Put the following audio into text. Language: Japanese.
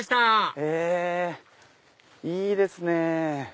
へぇいいですね。